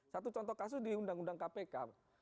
satu contoh kasus di undang undang kpk